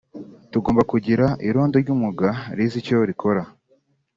Tugomba kugira irondo ry’umwuga rizi icyo rikora